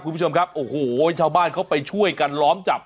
คุณผู้ชมครับโอ้โหชาวบ้านเขาไปช่วยกันล้อมจับ